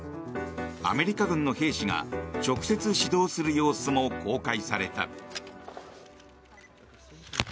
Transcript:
アメリカ軍の兵士が直接指導する様子も公開された。